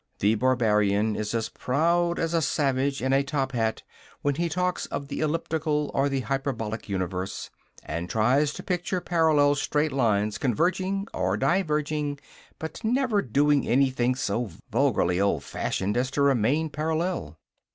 The Barbarian is as proud as a savage in a top hat when he talks of the elliptical or the hyperbolic universe, and tries to picture parallel straight lines converging or diverging but never doing anything so vulgarly old fashioned as to remain parallel.